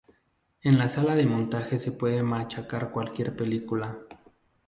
en la sala de montaje se puede machacar cualquier película